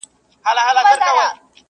زاهده پرې مي ږده ځواني ده چي دنیا ووینم؛